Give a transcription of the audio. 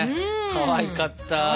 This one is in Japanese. かわいかった！